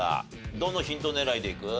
どのヒント狙いでいく？